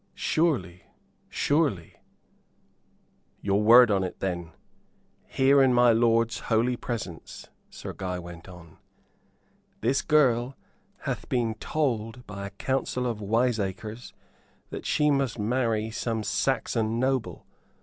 "Surely, surely." "Your word on it, then here in my lord's holy presence," Sir Guy went on. "This girl hath been told by a council of wiseacres that she must marry some Saxon noble.